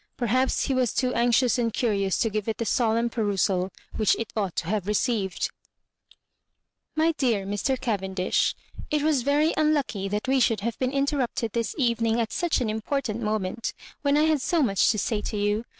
Perhaps h6 was too anxious and curioua to give it the solemn perusal which it ought to have received. "Mt deab Mr. Cayendish, — It was very unlucky that we should have been interrupted this evening at such an important moment, when I had so much to say to you.